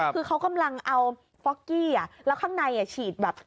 คือเขากำลังเอาฟอกกี้แล้วข้างในฉีดแบบ